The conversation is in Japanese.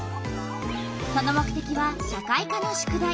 その目てきは社会科の宿題。